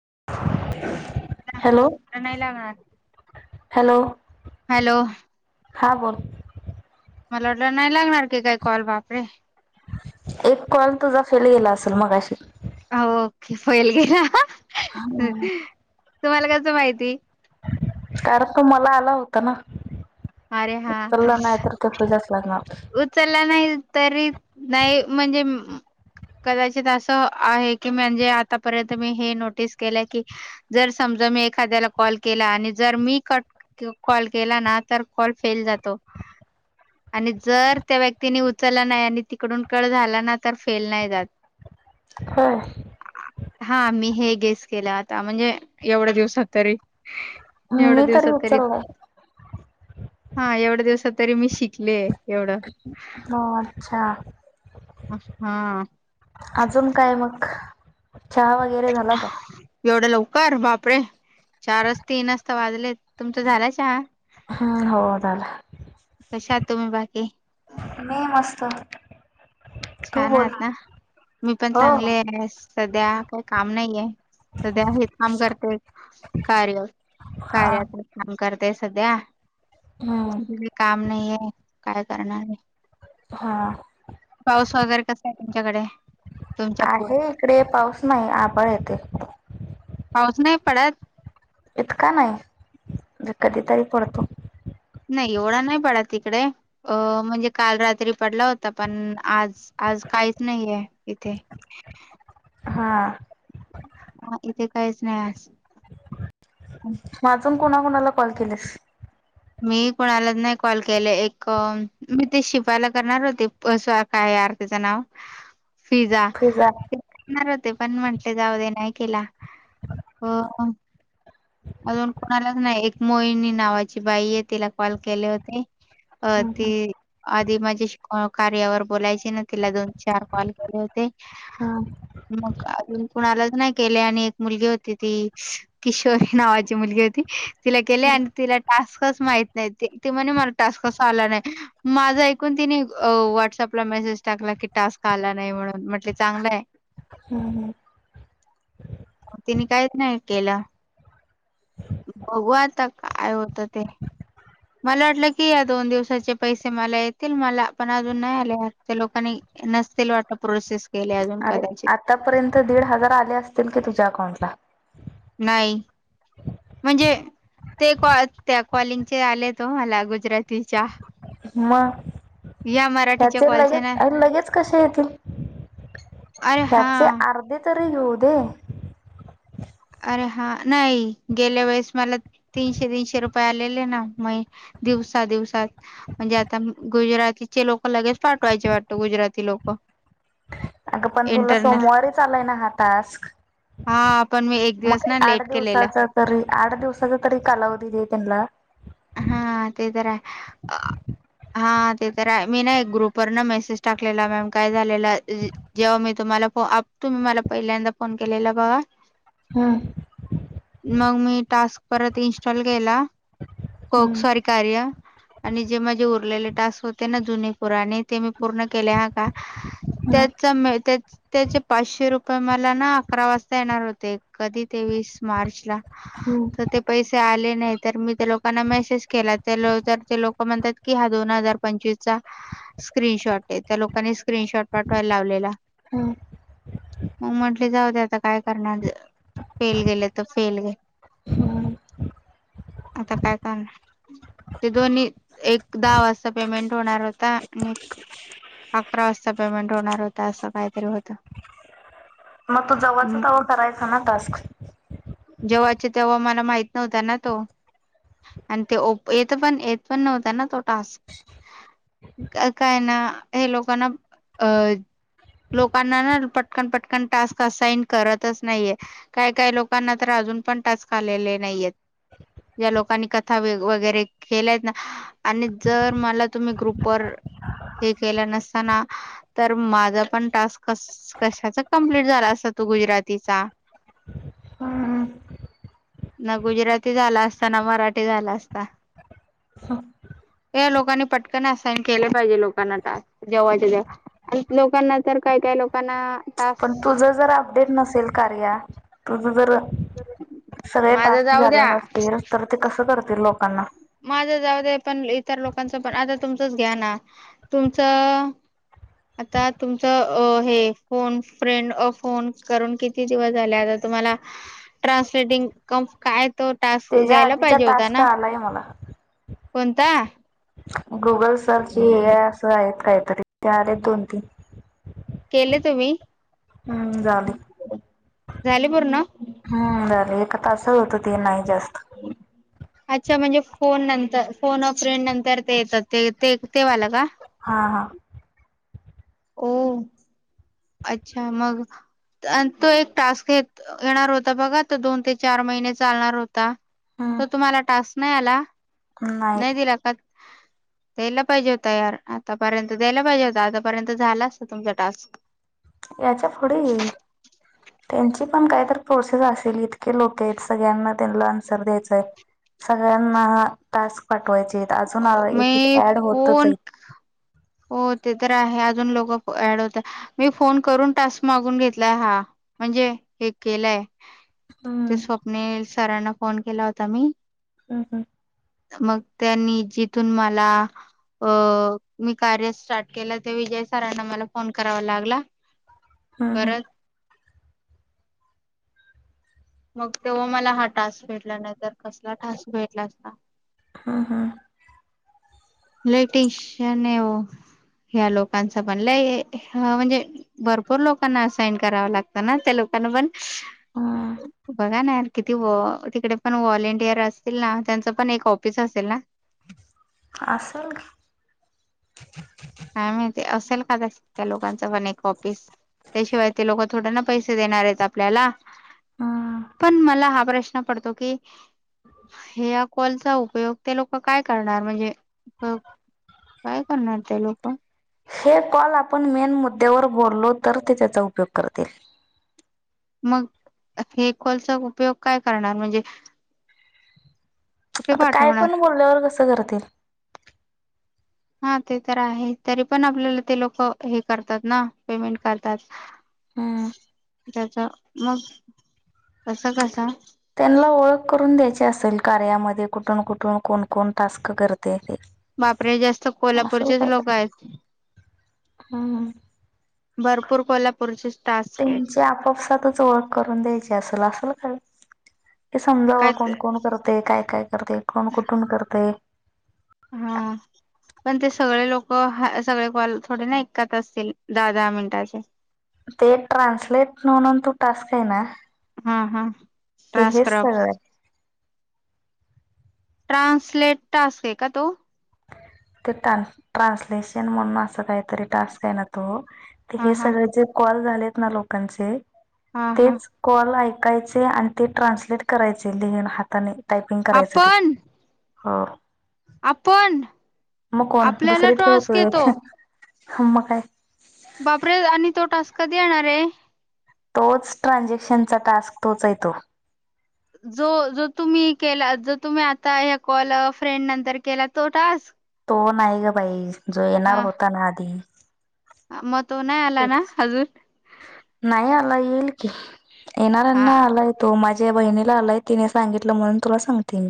[unintelligible] Hello नाही लागणार. Hello. Hello. हा बोल. मला वाटलं नाही लागणार की काही कॉल वापरे एक कॉल तुझा फेल गेला असेल मगाशी. ओके फलगिरा हम्. तुम्हाला कसं माहिती, कारण तो मला आला होता ना, अरे हा चलला नाही तर ते पू जाच लागणार, उचलला नाही तरी नाही म्हणजे कदाचित अस आहे की म्हणजे आतापर्यंत मी हे नोटीस केलं की जर स मी एखाद्याला कॉल केला आणि जर मी क कॉल केला ना तर कॉल फेल जातो. आणि, जर त्या व्यक्तीनी उचलला नाही आणि तिकडून कळ झाला ना तर फेल नाही जात होय हा मी हे, गेस केला आता म्हणजे एवढा दिवसात तरी एवढ्या मी दिवसात तरी उचललाय हा एवढ्या दिवसात तरी मी शिकले. एवढं हो अच्छा, हा अजून काय मग, चहा वगैरे झाला का? कर बापरे चारच तीनजता वाजले तुमच झाला च हम् हो झाला. कशात तुम्ही बाकी, [inaudible] मी मस्त तू छान आहात बोल ना मी पण हो चांगले सध्या काही काम नाहीये. सध्या हे काम करते कार्य हा कार्यात, करते सध्या हम्म काम नाही आहेे काय करणार आहे. हा, पाऊस वगैरे कसा आहे तुमच्याकडे, तुमच्या आहे इकडे पाऊस नाही आबळ येते, पाऊस नाही पडत, इतका नाही म्हणजे कधीतरी पडतो. नाही एवढा नाही पडा तिकडे अ म्हणजे काल रात्री पडला होता पण आज. आज काहीच नाही आहे इथे, हां, हा इथे काहीच नाही, म अजून कोणाकणाला कॉल केलेस मी कुणालाच नाही कॉल केले, एक मी ते शिपायला करणार होते स्वारख आहे. र त्याच नाव फिजा ते हो पण म्हंटले जाऊ दे नाही केला हो, अजून कोणालाच नाही एक मोहिनी नावाची बाई आहे तिला कॉल केले होते. अ हम्म हम्म ती आधी माझे कार्यावर बोलायची तिनं तिला दोनचार कॉल केले होते, हम्म मग कुणालाच नाही केले आणि एक मुलगी होती ती किशोरी नावाची मुलगी होती तिला केले आणि तिला टास्क टास्क माहीत नाहीत ती- ती म्हण मला टास्क च आला नाही माझं ऐकून तिनी अं. व्हाट्सअँप ला मेसे सेज टाकला की टास्क आला नाही म्हणून म्हटलं चांगलंय हम्म-हम्म, तिने काहीच नाही केला. बघू आता काय होतं ते मला वाटलं की या दोन दिवसाचे पैसे मला येतील मला पण अजून नाही आले ते लोकांनी नसतील वाटलं प्रोसेस केले अजून अरे कदाचित. आतापर्यंत दीड हजार आले असतील की तुझ्या अकाउंटला. नाही, म्हणजे ते-कॉ त्या कॉलिंगचे आले तो मला गुजरातीच्या म या मराठीच्या ह्याचे कॉलचे लगेच ना आणि लगेच कसे येतील अरे हा ह्याचे अर्धे तरी येऊ दे अरे हा नाही गेल्या वेळेस मला तीनशे तीनशे रुपये आलेले ना मग दिवसा दिवसात म्हणजे आता गुजरातीचे लोक लगेच पाठवायचे वाटत गुजराती लोक [inaudible] अगं पण तुला इंटरनल सोमवारी च आलाय ना हा टास्क हा पण मी एक दिवस मग ना आठ लेट केलेलं दिवसाचा तरी आठ दिवसाचा तरी कालावधी दे त्यांला हा ते तर हाय हा ते तर हाय मी ना एक ग्रुप वर ना मेसेज टाकलेला मॅम काय झालेला जेव्हा मी तुम्हाला तुम्ही मला पहिल्यांदा फोन केलेला बघा हम्म मग मी टास्क परत इन्स्टॉल केला कोक हम्म सॉरी कार्य आणि जे माझे उरलेले टास्क होते ना जुने पुराने ते मी पूर्ण केल्या का हम्म त्याच्यामधे त्याचे पाचशे रुपये मला ना अकरा वाजता येणार होते कधी तेवीस मार्च ला हम्म तर ते पैसे आले नाही तर मी त्याला लोकांना मेसेज केला त्या तर ते लोक म्हणतात की हा दोन हजार पंचवीस चा स्क्रीनशॉट त्या लोकांनी स्क्रीनशॉट पाठवायला लावलेला हम मग म्हटले जाऊते आता काय करणार फेल गेले तर फेल गे हम्म आता काय ते दोन्ही एक दहा वाजता पेमेंट होणार होता आणि अकरा वाजता पेमेंट होणार होता असं काहीतरी होतं मग तू जवच तेव्हा करायचा ना टास्क जवचे तेव्हा मला माहित नव्हता ना तो आणि त्यो-ओप-येत पण येत पण नव्हत ना तो टास्क काय ना हे लोकांना अं लोकांना ना पटकन पटकन टास्क असाईन करतच नाहीये काय काय लोक कांना तर अजून पण टास्क आलेले नाहीयेत या लोकांनी कथा वेग-वगैरे केल्यायत ना आणि जर मला तुम्ही ग्रुपवर हे केलं नसतना तर माझ पण टास्क कस-कशाच कंप्लीट झाला असत. तू गुजरातीचा हम् ना गुजराती झाला असता ना मराठी झाला असता हो हे लोकांनी पटकन असाइन केले पाहिजे लोकांना टास्क जेव्हाच्या जव आणि लोकांना तर काय काय लोकांना पण तुझं जर टास्क अपडेट नसेल कार्या तुझ जर सगळे माझं टास्क जाऊ झाले द्या नसतील तर ते कसं करतील लोकांना माझं जाऊदे पण इतर लोकांच पण आता तुमचच घ्या ना तुमचं आता तुमच हे फोन फ्रेंड फोन करून किती दिवस झाले तुम्हाला ट्रान्सलेटिंग काय तो टास्क त्याच्या द्यायला आधीचा पाहिजे होता टास्क ना आलाय मला कोणता गुगल सर्च हे आहे असं आहेत काहीतरी ते आले दोन तीन केले तुम्ही हम्म झाले झाले पूर्ण आता अस होत ते नाही जास्त अच्छा म्हणजे फोन फोन ऑपरेंट नंतर ते येतात ते ते तेवाल का हा हा [unintelligible] ओ अच्छा मग आणि तो एक टास्क येणार होता बघा त दोन ते चार महिने चालणार हो- हम्म तर तुम्हाला टास्क नाही आला नाही दिला का द्यायला पाहिजे होतं यार आतापर्यंत द्यायला पाहिजे होत आतापर्यंत झालाच तुमचा टास्क याच्या पुढे त्यांची पण काहीतर प्रोर्सेस असेल, इतके लोक आहेत सगळ्यांना त्यांना आन्सर द्यायचाय. सगळ्यांना हा टास्क वायचेत. अजून एक एक मी ऍड होतच फोन आहेत. हो ते तर आहे, अजून लोक ऍड होत मी फोन करून टास्क मागून घेतलाय हा. म्हणजे हे केलंय ते हम्म स्वप्नील सरांना फोन केला होता मी हम्म हम्म मग त्यांनी जिथून मला अ मी कार्य स्टार्ट केलं ते विजय सरांना मला फोन करावा लागला. हम्म हम्म परत मग तेव्हा मला हा टास्क भेटला नाही तर कसला टास्क भेटला असता. हम्म हम्म इलेक्ट्रिशिन [unintelligible] ह्या लोकांच पण लय म्हणजे भरपूर लोकांना असाइन करावं लागतं ना त्या लो त्यांना पण हा, बा [unintelligible] नार किती तिकडे पण व्हॉलेंटियर असतील ना त्यांच पण एक ऑफिस असेल ना, असल काय माहिती असेल कदाचित त्या लोकांचं पण एक ऑफिस. त्याशिवाय ते लोक थोड ना पैसे देणार आहेत आपल्याला हम्म पण मला हा प्रश्न पडतो की हे या कॉलचा उपयोग ते लोक काय करणार म्हणजे काय करणार ते लोक. हे कॉल आपण मेन मुद्द्यावर बोललो तर ते त्याचा उपयोग करतील मग हे कॉलचा उपयोग काय करणार म्हणजे कुठे आता काय पाठवणार पण बोलल्यावर कसं करतील. हा ते तर आहे तरी पण आपल्याला ते लोक हे करतात ना पेमेंट करतात. हम्म. त्याच मग कस कस अस [unintelligible] कार्यामध्ये कुठून कुठून कोण कोण टास्क करतयते. बापरे! जास्त कोल्हापूरचेच लोक आहेत. हां हा भरपूर कोल्हापूरचीच. त्यांची आपपसातच ओळख करून द्यायची असेल- असेल काय. हे समजावं काय ते कोण कोण करतंय, काय काय करतंय कोण कुटून करतंय. हा पण ते सगळे लोक सगळे कॉल थोडे ना ऐकत असतील दहा दहा मिनटाचे ते ट्रान्सलेट म्हणून तो टास्क आहे ना, हा हा, ते हेच ट्रान्स्क्रब सगळं आहे. ट्रान्सलेट टास्क आहे का तो? ते ट्रान्सलेशन म्हणून असं काहीतरी टास्क आहे मी, तो. हा हे हा सगळे जे कॉल झालेत ना, लोकांचे हा हा तेच कॉल ऐकायचे आणि ते ट्रान्सलेट करायचे लिहून हाताने, टायपिंग करायचं ते आपण हो, आपण? मग कोण आपल्याला दुसरी ठेवु टास्क का, येतो एक मग काय? बापरे! आणि तो टास्क कधी येणार आहे? तोच ट्रान्झॅक्शनचा टास्क तोच हाय तो. जो जो तुम्ही केला. जो तुम्ही आता हे कॉल अ फ्रेंड नंतर केला तो टास्क. तो नाही ग बाई जो येणार हा होता ना आधी. मग तो नाही आला ना तोच अजून. नाही आला येईल की हा येणाऱ्यांना आला य तो माझ माझ्या बहिणीला आलाय तिने सांगितलं म्हणून तुला सांगते मी.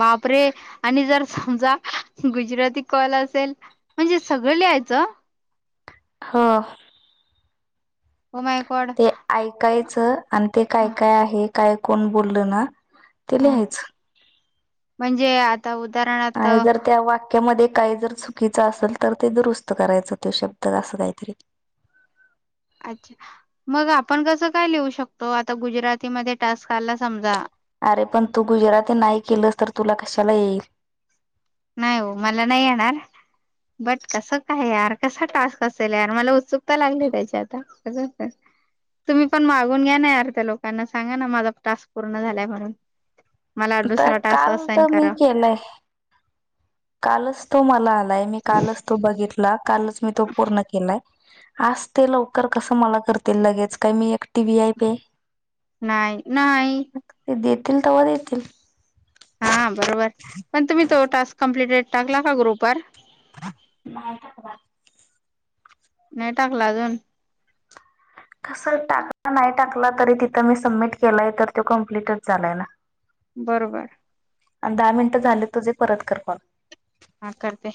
बापरे आणि जर समजा गुजराती कॉल असेल म्हणजे सगळे लिहा यच. हो. ओ माय गॉड ते ऐकायचं आणि ते काय ह काय आहे काय कोण बोलल ना ते ह लिहायच. म्हणजे आ आणि जर त्या वाक्यामध्ये काही जर चुकीच असेल तर ते दुरुस्त करायचं तो शब्द असं काहीतरी. अच्छा मग आपण कसं काय लिहू शकतो आता गुजरातीमध्ये टास्क आला समजा अरे पण तू गुजराती नाही केलंस तर तुला कशाला येईल. नाही हो मला नाही येणार. बट कसं काय यार कसा टास्क असेल यार मला उत्सुकता लागली त्याच्या आता. तुम्ही पण मागून घ्या ना अर्ध्या लोकांना सांगा ना माझा टास्क पूर्ण झाल्या म्हणून. मला तर दुसरा टास्क काल असाईन तर मी करा. केलंय कालच तो मला आलाय मी कालच तो बघितला कालच मी तो पूर्ण केलाय. आज ते लवकर कस मला करतील लगेच काय मी एक टी वी आय पे नाही नाही ते देतील तेव्हा देतील. हा बरोबर पण तुम्ही तो टास्क कमप्लीटेड टाकला का ग्रुपवर? नाही टाकला. नाही टाकला अजून. तस टाकला नाही टाकला तरी तिथं मी सबमिट केलाय तर तो कंप्लीटच झालाय ना. बरोबर. आणि दहा मिनटं झाले तुझे परत कर कॉल. हा करते.